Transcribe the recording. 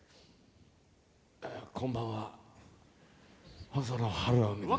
こんばんはホソノ晴臣です。